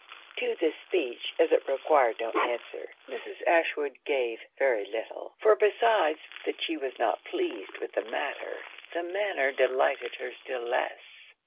To this speech, as it required no answer, Mrs. Ashwood gave very little; for besides that she was not pleased with the matter, the manner delighted her still less.